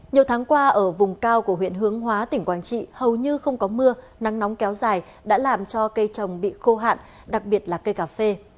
nhiều tháng qua ở vùng cao của huyện hướng hóa tỉnh quảng trị hầu như không có mưa nắng nóng kéo dài đã làm cho cây trồng bị khô hạn đặc biệt là cây cà phê